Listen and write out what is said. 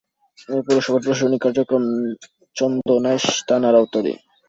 এ পৌরসভার প্রশাসনিক কার্যক্রম চন্দনাইশ থানার আওতাধীন।